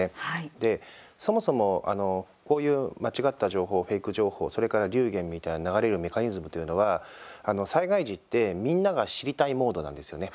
で、そもそもあの、こういう間違った情報フェーク情報、それから流言みたいなのが流れるメカニズムというのは災害時って、みんなが知りたいモードなんですよね。